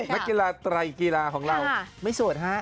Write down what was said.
นักกีฬาไตรกีฬาของเราไม่โสดฮะ